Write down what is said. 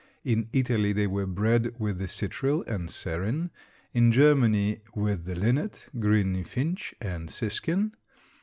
In Italy they were bred with the citril and serin; in Germany with the linnet, green finch, and siskin.